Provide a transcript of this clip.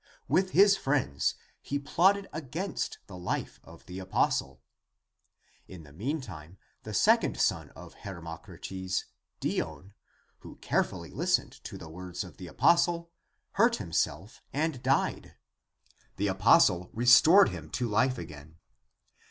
With his friends he plotted against the life of the apostle. In the mean time the second son of Hermocrates, Dion, who carefully listened to the words of the apostle, hurt himself and died. The apostle restored him to life again.